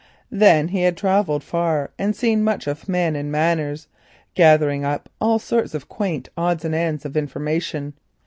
Then he had travelled far and seen much of men and manners, gathering up all sorts of quaint odds and ends of information.